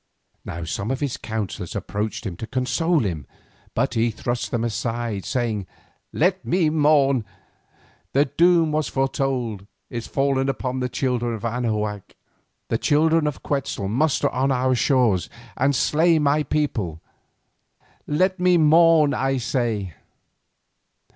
Now some of his counsellors approached him to console him, but he thrust them aside, saying: "Let me mourn—the doom that was foretold is fallen upon the children of Anahuac. The children of Quetzal muster on our shores and slay my people. Let me mourn, I say."